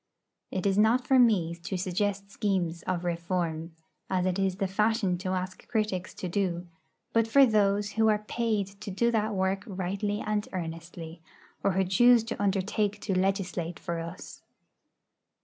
It is not for me to suggest schemes of reform, as it is the fashion to ask critics to do, but for those who are paid to do that work rightly and earnestly, or who choose to undertake to legislate for us.